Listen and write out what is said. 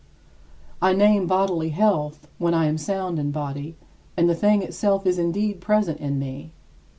I name bodily health when I am sound in body, and the thing itself is indeed present in me.